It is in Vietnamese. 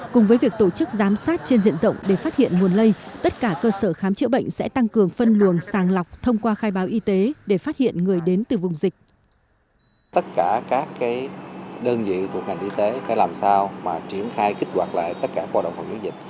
cùng với việc tổ chức giám sát trên diện rộng để phát hiện nguồn lây tất cả cơ sở khám chữa bệnh sẽ tăng cường phân luồng sàng lọc thông qua khai báo y tế để phát hiện người đến từ vùng dịch